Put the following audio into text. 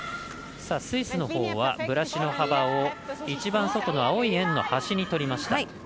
スイスのほうはブラシの幅を一番外の青い円の端にとりました。